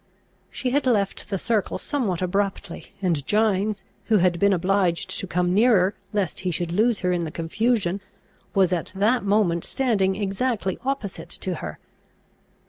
She had left the circle somewhat abruptly; and Gines, who had been obliged to come nearer, lest he should lose her in the confusion, was at that moment standing exactly opposite to her.